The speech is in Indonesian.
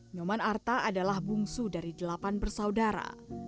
nyoman arta adalah bungsu dari delapan bersaudara